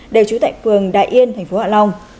đều trú tại phường đại yên tp hạ long